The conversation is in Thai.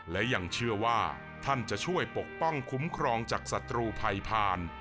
และยังเชื่อว่าท่านจะช่วยปกป้องคุ้มครองจากศัตรูภัยผ่าน